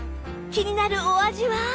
気になるお味は？